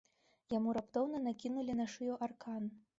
Яму раптоўна накінулі на шыю аркан.